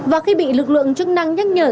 và khi bị lực lượng chức năng nhắc nhở